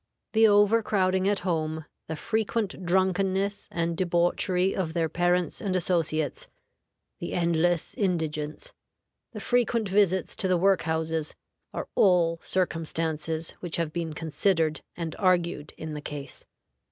The overcrowding at home; the frequent drunkenness and debauchery of their parents and associates; the endless indigence; the frequent visits to the work houses, are all circumstances which have been considered and argued in the case.